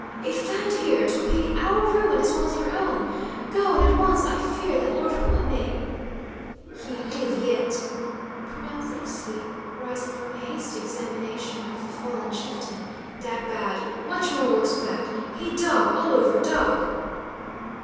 "If found here 'twill be our ruin as well as your own. Go, and at once I fear that Lord Hua may " "He 'live yet," pronounced Ixtli, rising from a hasty examination o f the fallen chieftain. "Dat bad; much more worse bad! He dog; all over dog!"